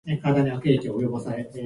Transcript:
新しい靴を買った。